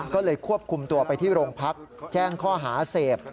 ก็เลยควบคุมตัวไปที่โรงพักแจ้งข้อหาเสพ